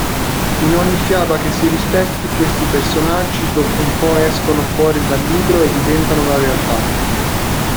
In ogni fiaba che si rispetti questi personaggi dopo un po' escono fuori dal libro e diventano la realtà.